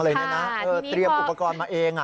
เตรียมอุปกรณ์มาเอง